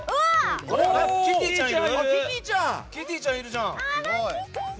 キティちゃんいるじゃん！